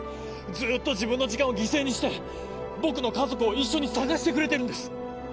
ずっと自分の時間を犠牲にして僕の家族を一緒に捜してくれてるんです！